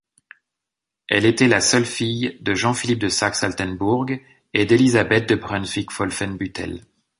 Elle était la seule fille de Jean-Philippe de Saxe-Altenbourg et d'Élisabeth de Brunswick-Wolfenbüttel.